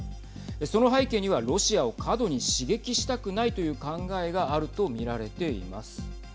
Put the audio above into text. その背景には、ロシアを過度に刺激したくないという考えがあると見られています。